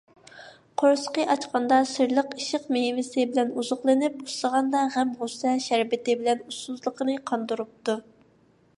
قورسىقى ئاچقاندا «سىرلىق ئىشق مېۋىسى» بىلەن ئوزۇقلىنىپ، ئۇسسىغاندا «غەم - غۇسسە شەربىتى» بىلەن ئۇسسۇزلۇقىنى قاندۇرۇپتۇ.